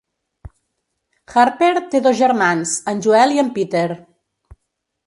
Harper té dos germans, en Joel i en Peter.